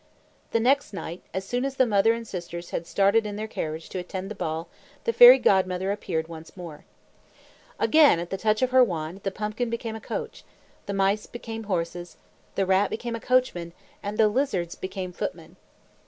The next night, as soon as the mother and sisters had started in their carriage to attend the ball, the Fairy Godmother appeared once more. Again, at the touch of her wand, the pumpkin became a coach; the mice became horses; the rat became a coachman, and the lizards became footmen.